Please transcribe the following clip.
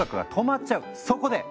そこで！